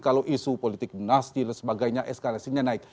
kalau isu politik dinasti dan sebagainya eskalasinya naik